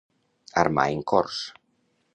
Armar en cors.